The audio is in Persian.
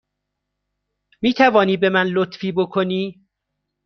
می توانی به من لطفی بکنی؟